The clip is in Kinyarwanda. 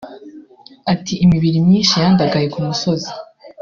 Ati "Hari imibiri myinshi yandagaye ku musozi